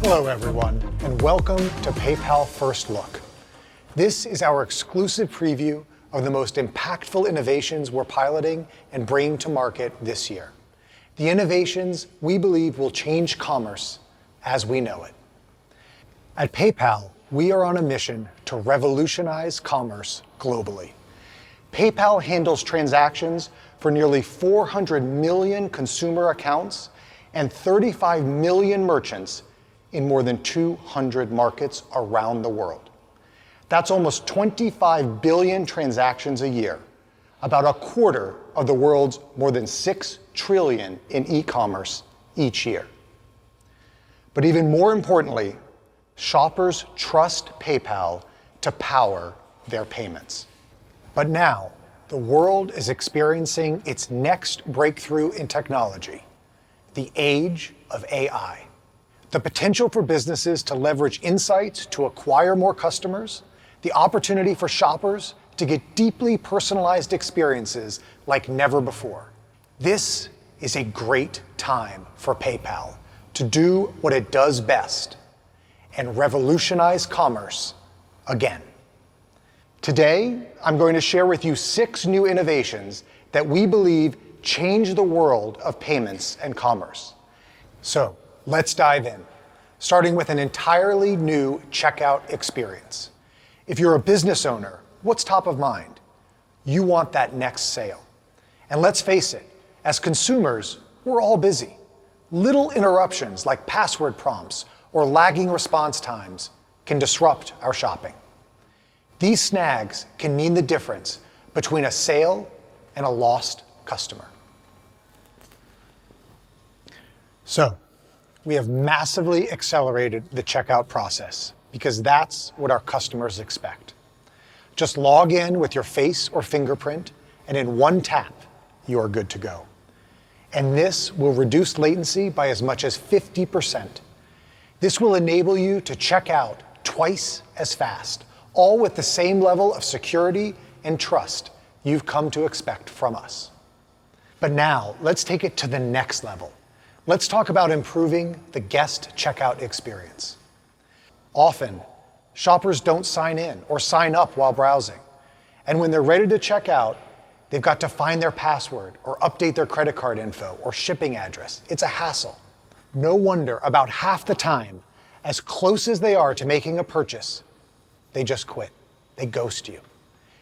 Hello everyone, and welcome to PayPal First Look. This is our exclusive preview of the most impactful innovations we're piloting and bringing to market this year, the innovations we believe will change commerce as we know it. At PayPal, we are on a mission to revolutionize commerce globally. PayPal handles transactions for nearly 400 million consumer accounts and 35 million merchants in more than 200 markets around the world. That's almost 25 billion transactions a year, about a quarter of the world's more than six trillion in e-commerce each year. But even more importantly, shoppers trust PayPal to power their payments. But now, the world is experiencing its next breakthrough in technology, the age of AI. The potential for businesses to leverage insights to acquire more customers, the opportunity for shoppers to get deeply personalized experiences like never before. This is a great time for PayPal to do what it does best and revolutionize commerce again. Today, I'm going to share with you six new innovations that we believe change the world of payments and commerce. Let's dive in, starting with an entirely new checkout experience. If you're a business owner, what's top of mind? You want that next sale. Let's face it, as consumers, we're all busy. Little interruptions, like password prompts or lagging response times, can disrupt our shopping. These snags can mean the difference between a sale and a lost customer. We have massively accelerated the checkout process because that's what our customers expect. Just log in with your face or fingerprint, and in one tap, you are good to go. This will reduce latency by as much as 50%. This will enable you to check out twice as fast, all with the same level of security and trust you've come to expect from us. But now, let's take it to the next level. Let's talk about improving the guest checkout experience. Often, shoppers don't sign in or sign up while browsing, and when they're ready to check out, they've got to find their password or update their credit card info or shipping address. It's a hassle. No wonder about half the time, as close as they are to making a purchase, they just quit. They ghost you.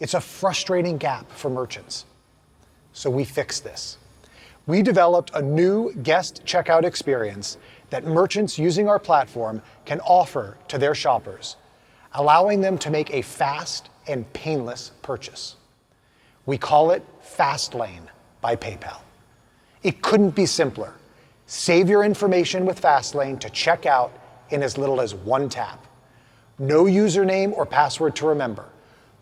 It's a frustrating gap for merchants, so we fixed this. We developed a new guest checkout experience that merchants using our platform can offer to their shoppers, allowing them to make a fast and painless purchase. We call it Fastlane by PayPal. It couldn't be simpler. Save your information with Fastlane to check out in as little as one tap. No username or password to remember,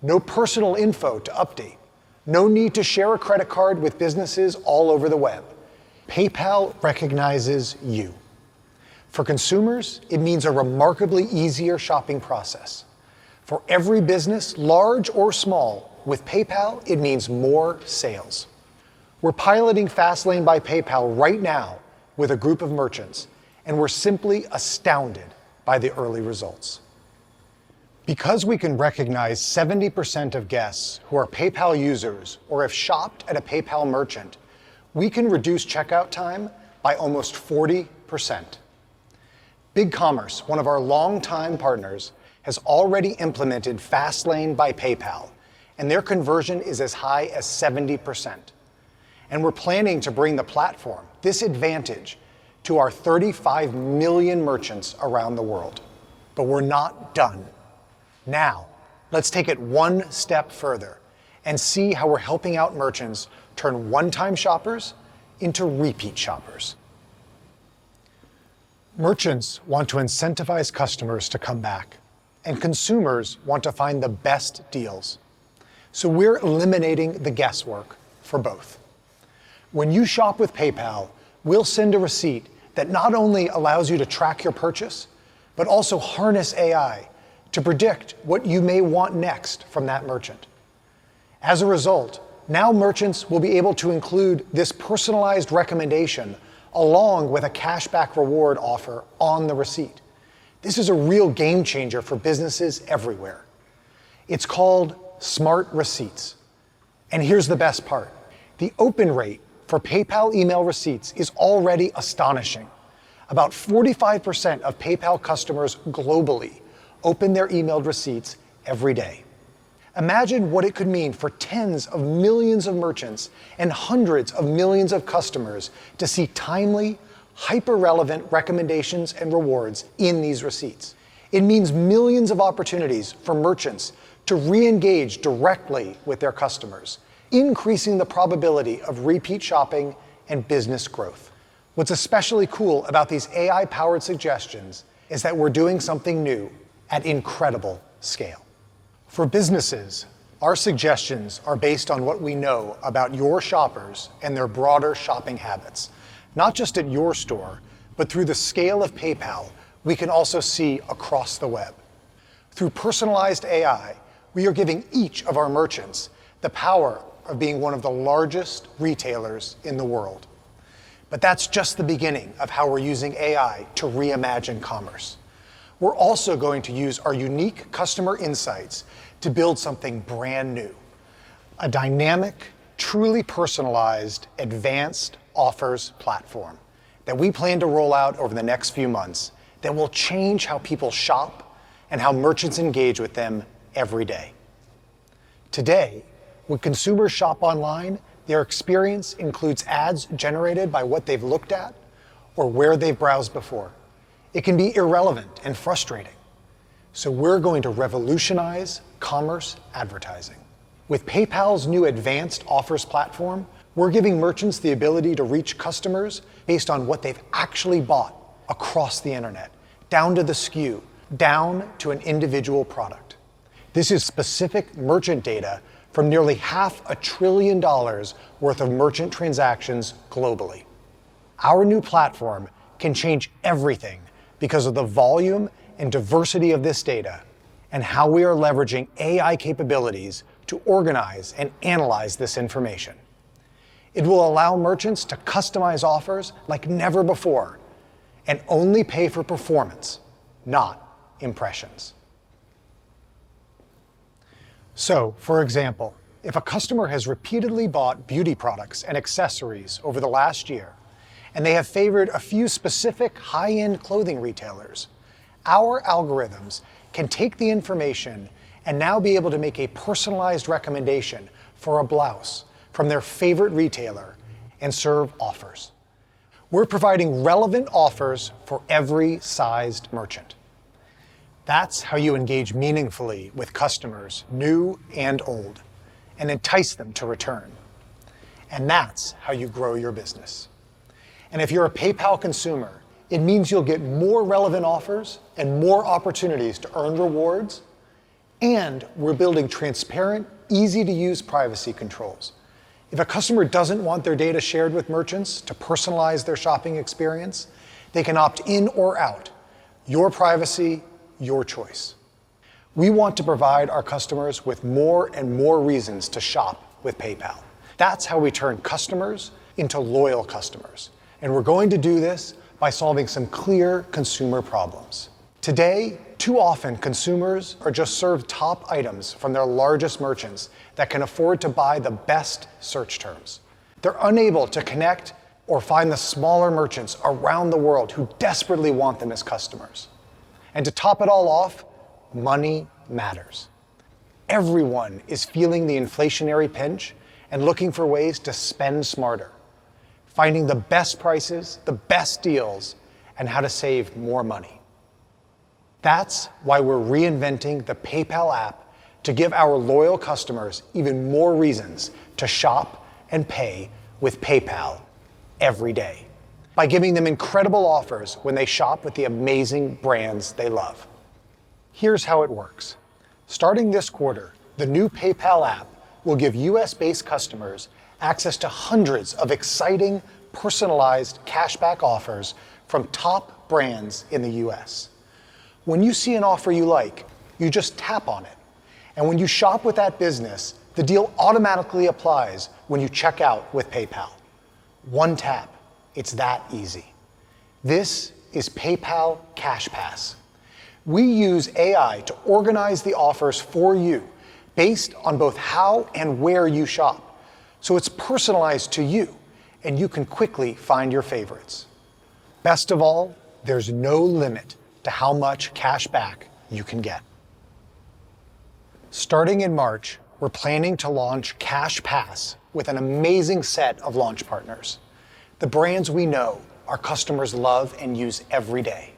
no personal info to update, no need to share a credit card with businesses all over the web. PayPal recognizes you. For consumers, it means a remarkably easier shopping process. For every business, large or small, with PayPal, it means more sales. We're piloting Fastlane by PayPal right now with a group of merchants, and we're simply astounded by the early results. Because we can recognize 70% of guests who are PayPal users or have shopped at a PayPal merchant, we can reduce checkout time by almost 40%. BigCommerce, one of our longtime partners, has already implemented Fastlane by PayPal, and their conversion is as high as 70%. And we're planning to bring the platform, this advantage, to our 35 million merchants around the world. But we're not done. Now, let's take it one step further and see how we're helping out merchants turn one-time shoppers into repeat shoppers. Merchants want to incentivize customers to come back, and consumers want to find the best deals, so we're eliminating the guesswork for both. When you shop with PayPal, we'll send a receipt that not only allows you to track your purchase, but also harness AI to predict what you may want next from that merchant. As a result, now merchants will be able to include this personalized recommendation, along with a cashback reward offer on the receipt. This is a real game changer for businesses everywhere. It's called Smart Receipts, and here's the best part: the open rate for PayPal email receipts is already astonishing. About 45% of PayPal customers globally open their emailed receipts every day. Imagine what it could mean for tens of millions of merchants and hundreds of millions of customers to see timely, hyper-relevant recommendations and rewards in these receipts. It means millions of opportunities for merchants to reengage directly with their customers, increasing the probability of repeat shopping and business growth. What's especially cool about these AI-powered suggestions is that we're doing something new at incredible scale. For businesses, our suggestions are based on what we know about your shoppers and their broader shopping habits, not just at your store, but through the scale of PayPal, we can also see across the web... Through personalized AI, we are giving each of our merchants the power of being one of the largest retailers in the world. But that's just the beginning of how we're using AI to reimagine commerce. We're also going to use our unique customer insights to build something brand new, a dynamic, truly personalized, advanced offers platform that we plan to roll out over the next few months that will change how people shop and how merchants engage with them every day. Today, when consumers shop online, their experience includes ads generated by what they've looked at or where they've browsed before. It can be irrelevant and frustrating. So we're going to revolutionize commerce advertising. With PayPal's new advanced offers platform, we're giving merchants the ability to reach customers based on what they've actually bought across the internet, down to the SKU, down to an individual product. This is specific merchant data from nearly $500 billion worth of merchant transactions globally. Our new platform can change everything because of the volume and diversity of this data, and how we are leveraging AI capabilities to organize and analyze this information. It will allow merchants to customize offers like never before, and only pay for performance, not impressions. So, for example, if a customer has repeatedly bought beauty products and accessories over the last year, and they have favored a few specific high-end clothing retailers, our algorithms can take the information and now be able to make a personalized recommendation for a blouse from their favorite retailer and serve offers. We're providing relevant offers for every sized merchant. That's how you engage meaningfully with customers, new and old, and entice them to return. And that's how you grow your business. If you're a PayPal consumer, it means you'll get more relevant offers and more opportunities to earn rewards, and we're building transparent, easy-to-use privacy controls. If a customer doesn't want their data shared with merchants to personalize their shopping experience, they can opt in or out. Your privacy, your choice. We want to provide our customers with more and more reasons to shop with PayPal. That's how we turn customers into loyal customers, and we're going to do this by solving some clear consumer problems. Today, too often, consumers are just served top items from their largest merchants that can afford to buy the best search terms. They're unable to connect or find the smaller merchants around the world who desperately want them as customers. And to top it all off, money matters. Everyone is feeling the inflationary pinch and looking for ways to spend smarter, finding the best prices, the best deals, and how to save more money. That's why we're reinventing the PayPal app to give our loyal customers even more reasons to shop and pay with PayPal every day, by giving them incredible offers when they shop with the amazing brands they love. Here's how it works. Starting this quarter, the new PayPal app will give U.S.-based customers access to hundreds of exciting, personalized cashback offers from top brands in the U.S. When you see an offer you like, you just tap on it, and when you shop with that business, the deal automatically applies when you check out with PayPal. One tap, it's that easy. This is PayPal CashPass. We use AI to organize the offers for you based on both how and where you shop, so it's personalized to you, and you can quickly find your favorites. Best of all, there's no limit to how much cashback you can get. Starting in March, we're planning to launch CashPass with an amazing set of launch partners, the brands we know our customers love and use every day.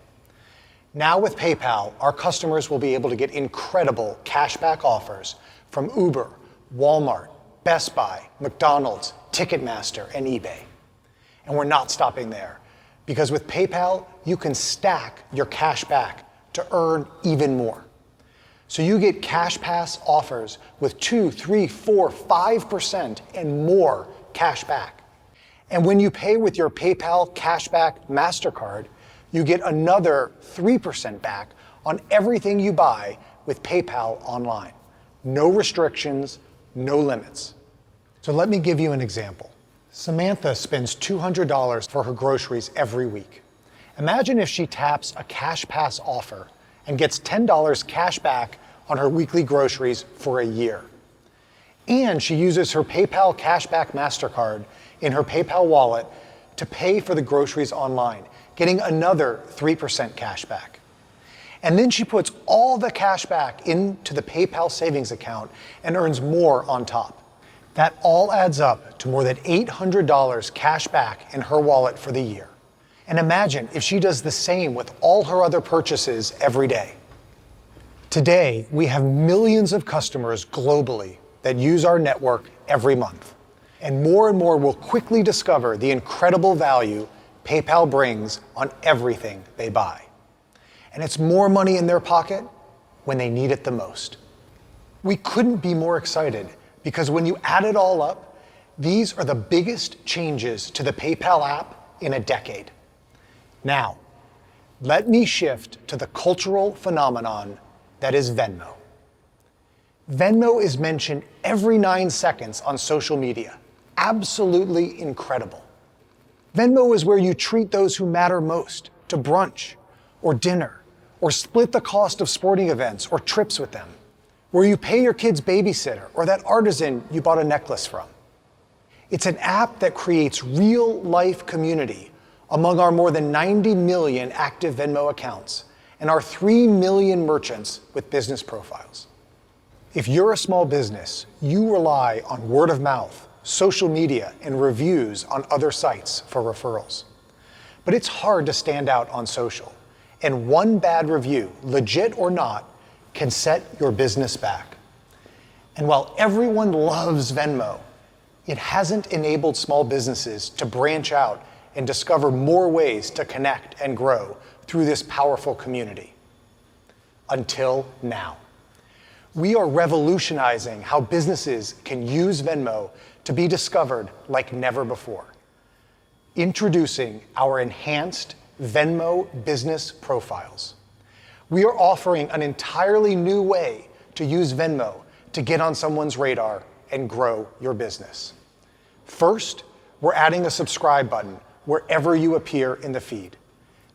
Now, with PayPal, our customers will be able to get incredible cashback offers from Uber, Walmart, Best Buy, McDonald's, Ticketmaster, and eBay. We're not stopping there, because with PayPal, you can stack your cashback to earn even more. You get CashPass offers with 2%, 3%, 4%, 5% and more cashback. When you pay with your PayPal Cashback Mastercard, you get another 3% back on everything you buy with PayPal online. No restrictions, no limits. So let me give you an example. Samantha spends $200 for her groceries every week. Imagine if she taps a CashPass offer and gets $10 cashback on her weekly groceries for a year, and she uses her PayPal Cashback Mastercard in her PayPal wallet to pay for the groceries online, getting another 3% cashback. And then she puts all the cashback into the PayPal Savings account and earns more on top. That all adds up to more than $800 cashback in her wallet for the year. And imagine if she does the same with all her other purchases every day. Today, we have millions of customers globally that use our network every month, and more and more will quickly discover the incredible value PayPal brings on everything they buy. And it's more money in their pocket when they need it the most... We couldn't be more excited, because when you add it all up, these are the biggest changes to the PayPal app in a decade. Now, let me shift to the cultural phenomenon that is Venmo. Venmo is mentioned every nine seconds on social media. Absolutely incredible! Venmo is where you treat those who matter most to brunch or dinner, or split the cost of sporting events or trips with them, where you pay your kid's babysitter or that artisan you bought a necklace from. It's an app that creates real-life community among our more than 90 million active Venmo accounts and our 3 million merchants with business profiles. If you're a small business, you rely on word of mouth, social media, and reviews on other sites for referrals. It's hard to stand out on social, and one bad review, legit or not, can set your business back. While everyone loves Venmo, it hasn't enabled small businesses to branch out and discover more ways to connect and grow through this powerful community, until now. We are revolutionizing how businesses can use Venmo to be discovered like never before. Introducing our enhanced Venmo Business Profiles. We are offering an entirely new way to use Venmo to get on someone's radar and grow your business. First, we're adding a subscribe button wherever you appear in the feed.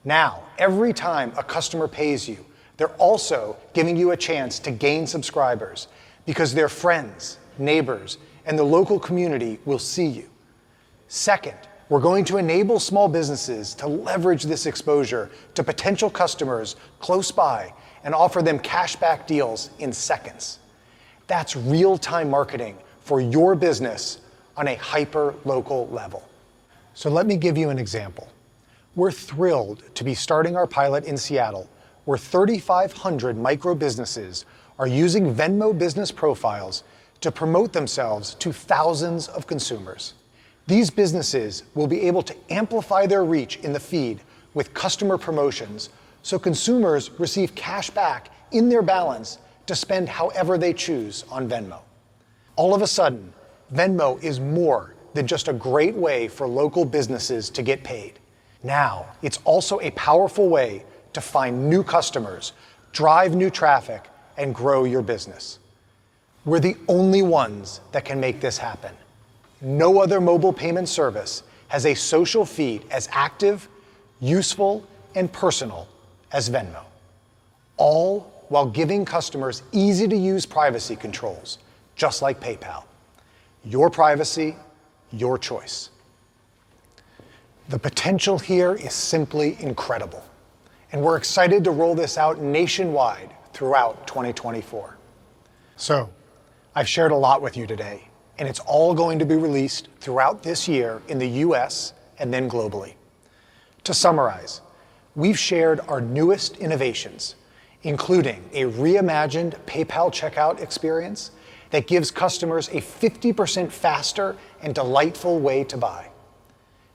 Now, every time a customer pays you, they're also giving you a chance to gain subscribers because their friends, neighbors, and the local community will see you. Second, we're going to enable small businesses to leverage this exposure to potential customers close by and offer them cash-back deals in seconds. That's real-time marketing for your business on a hyper-local level. So let me give you an example. We're thrilled to be starting our pilot in Seattle, where 3,500 micro businesses are using Venmo Business Profiles to promote themselves to thousands of consumers. These businesses will be able to amplify their reach in the feed with customer promotions, so consumers receive cashback in their balance to spend however they choose on Venmo. All of a sudden, Venmo is more than just a great way for local businesses to get paid. Now, it's also a powerful way to find new customers, drive new traffic, and grow your business. We're the only ones that can make this happen. No other mobile payment service has a social feed as active, useful, and personal as Venmo, all while giving customers easy-to-use privacy controls, just like PayPal. Your privacy, your choice. The potential here is simply incredible, and we're excited to roll this out nationwide throughout 2024. So I've shared a lot with you today, and it's all going to be released throughout this year in the U.S. and then globally. To summarize, we've shared our newest innovations, including a reimagined PayPal checkout experience that gives customers a 50% faster and delightful way to buy.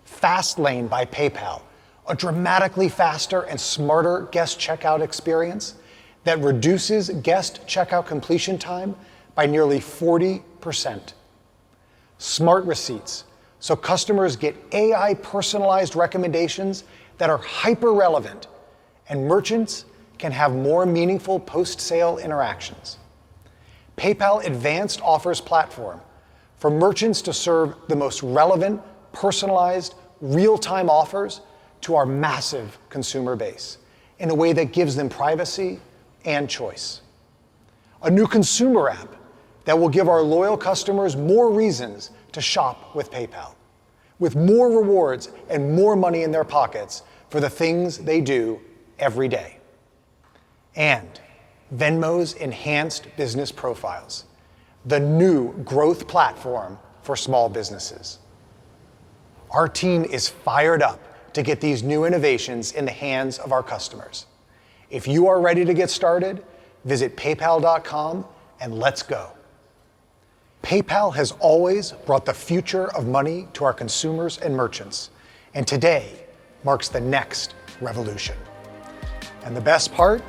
Fastlane by PayPal, a dramatically faster and smarter guest checkout experience that reduces guest checkout completion time by nearly 40%. Smart Receipts, so customers get AI-personalized recommendations that are hyper-relevant, and merchants can have more meaningful post-sale interactions. PayPal Advanced Offers platform for merchants to serve the most relevant, personalized, real-time offers to our massive consumer base in a way that gives them privacy and choice. A new consumer app that will give our loyal customers more reasons to shop with PayPal, with more rewards and more money in their pockets for the things they do every day. Venmo's enhanced business profiles, the new growth platform for small businesses. Our team is fired up to get these new innovations in the hands of our customers. If you are ready to get started, visit PayPal.com, and let's go. PayPal has always brought the future of money to our consumers and merchants, and today marks the next revolution. The best part,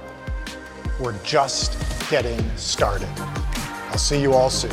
we're just getting started. I'll see you all soon.